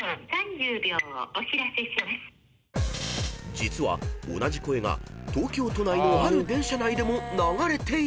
［実は同じ声が東京都内のある電車内でも流れているんです］